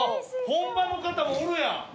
本場の方もおるやん！